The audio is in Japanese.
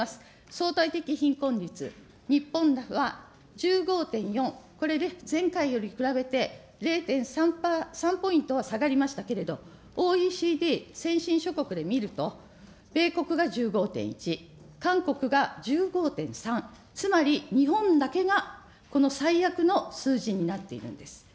相対的貧困率、日本は１５．４、これで前回より比べて０．３ポイントは下がりましたけれども、ＯＥＣＤ先進諸国で見ると、米国が１５．１、韓国が１５．３、つまり日本だけがこの最悪の数字になっているんです。